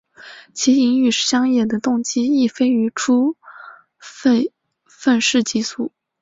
其隐于乡野的动机亦非出于非愤世嫉俗。